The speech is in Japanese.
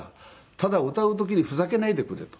「ただ歌う時にふざけないでくれ」と。